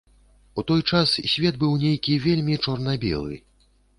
У той час свет быў нейкі вельмі чорна-белы.